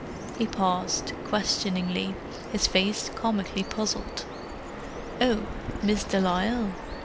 He paused, questioningly, his face comically puzzled. "Oh—Miss de Lisle?"